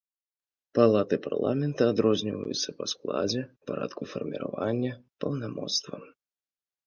Палаты парламента адрозніваюцца па складзе, парадку фарміравання, паўнамоцтвам.